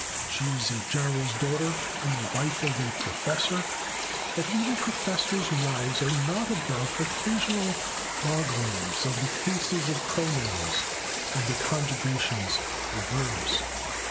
She is a general's daughter and the wife of a professor, but even professor's wives are not above occasional bogglings of the cases of pronouns and the conjugations of verbs.